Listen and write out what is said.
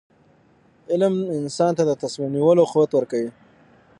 علم انسان ته د تصمیم نیولو قوت ورکوي.